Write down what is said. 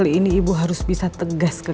pertama kali ibu harus bisa tegas ke kamu